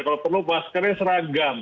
kalau perlu maskernya seragam